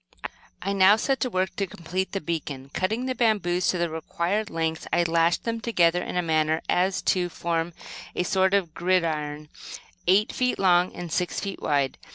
I now set to work to complete the beacon. Cutting the bamboos to the required lengths, I lashed them together in such a manner as to form a sort of gridiron, eight feet long and six feet wide.